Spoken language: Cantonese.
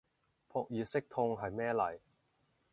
撲熱息痛係咩嚟